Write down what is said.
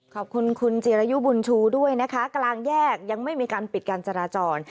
ขอบคุณคุณจิรยุบุญชูด้วยนะคะกลางแยกยังไม่มีการปิดการจราจร